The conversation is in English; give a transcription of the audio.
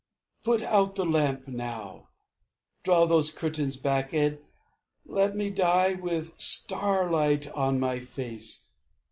Put out the lamp, now. Draw those curtains back, And let me die with starlight on my face.